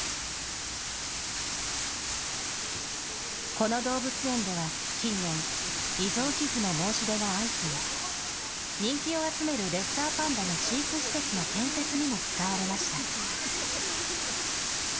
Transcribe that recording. この動物園では、近年、遺贈寄付の申し出が相次ぎ、人気を集めるレッサーパンダの飼育施設の建設にも使われました。